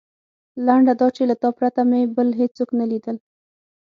لنډه دا چې له تا پرته مې بل هېڅوک نه لیدل.